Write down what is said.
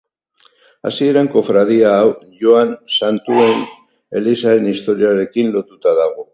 Hasieran kofradia hau Joan Santuen elizaren historiarekin lotuta dago.